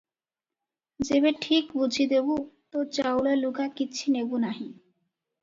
ଯେବେ ଠିକ ବୁଝି ଦେବୁ, ତୋ ଚାଉଳ ଲୁଗା କିଛି ନେବୁଁ ନାହିଁ।"